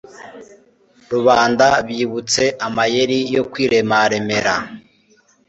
rubanda bibutse amayeri yo kwiremaremera